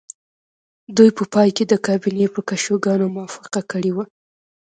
دوی په پای کې د کابینې په کشوګانو موافقه کړې وه